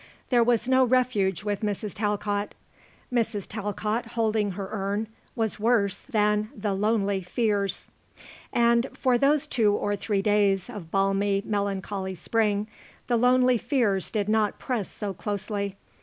There was no refuge with Mrs. Talcott. Mrs. Talcott holding her urn was worse than the lonely fears. And, for those two or three days of balmy, melancholy spring, the lonely fears did not press so closely.